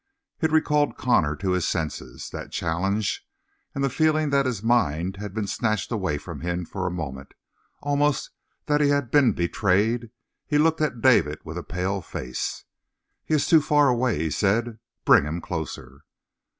It recalled Connor to his senses, that challenge, and feeling that his mind had been snatched away from him for a moment, almost that he had been betrayed, he looked at David with a pale face. "He is too far away," he said. "Bring him closer."